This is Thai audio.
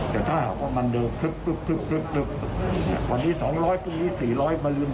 แต่ถ้าหากว่ามันเดิมวันนี้๒๐๐บาทพรุ่งนี้๔๐๐บาทมาลืม๖๐๐